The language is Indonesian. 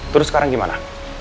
terus sekarang gimana